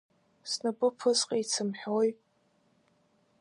Снапы ԥысҟеит сымҳәои!